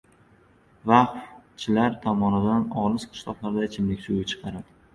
"Vaqf"chilar tomonidan olis qishloqlarda ichimlik suvi chiqarildi